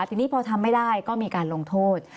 ทีนี้พอทำไม่ได้ก็มีการลงโทษ